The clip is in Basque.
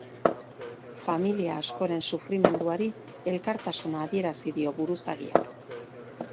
Familia askoren sufrimenduari elkartasuna adierazi dio buruzagiak.